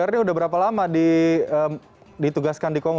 oke kalau bru sudah berapa lama ditugaskan di kongo